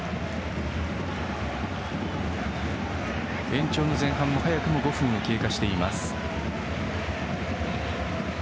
延長の前半は早くも５分を経過しています。